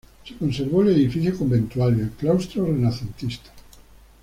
Se conservó el edificio conventual y el claustro renacentista.